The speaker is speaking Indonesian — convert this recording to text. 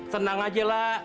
tenang aja lah